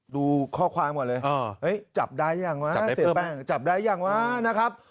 ดูข้อความก่อนเลยจับได้อย่างหว่าเสี่ยแป้งจับได้อย่างหว่านะครับ